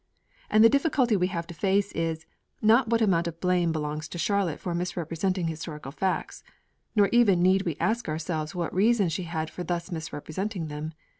And the difficulty we have to face is, not what amount of blame belongs to Charlotte for misrepresenting historical facts, nor even need we ask ourselves what reason she had for thus misrepresenting them.